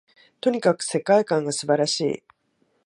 とにかく世界観が素晴らしい